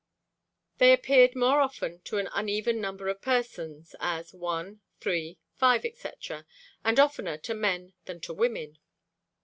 They appeared more often to an uneven number of persons, as one, three, five, &c. and oftener to men than to women.